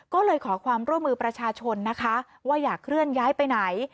ก็เลยขอความร่วมมือประชาชนนะคะว่าอยากเคลื่อนย้ายไปไหน